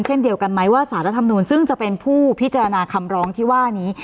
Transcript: เช่นเดียวกันไหมว่าสารรัฐธรรมนูลซึ่งจะเป็นผู้พิจารณาคำร้องที่ว่านี้